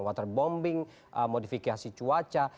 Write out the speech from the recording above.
waterbombing modifikasi cuaca